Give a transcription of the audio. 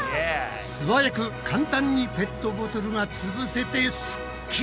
素早く簡単にペットボトルがつぶせてスッキリだ！